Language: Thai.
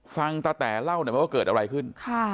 ฟังตะแต๋เล่านะว่าเกิดอะไรขึ้น